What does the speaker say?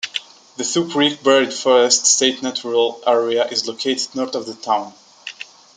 The Two Creeks Buried Forest State Natural Area is located north of the town.